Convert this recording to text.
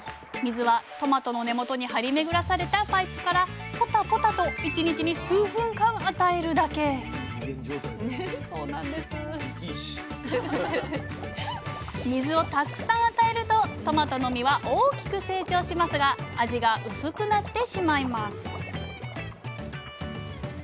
水はトマトの根元に張り巡らされたパイプからぽたぽたと１日に数分間与えるだけ水をたくさん与えるとトマトの実は大きく成長しますが味が薄くなってしまいます